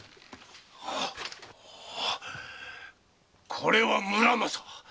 これは「村正」。